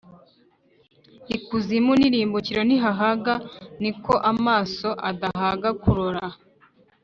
ikuzimu nirimbukiro ntihahaga ni ko amaso adahaga kurora